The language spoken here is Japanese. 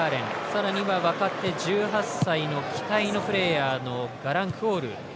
さらには若手１８歳の期待のプレーヤーのガラン・クオル。